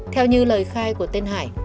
theo như lời khai của tên hải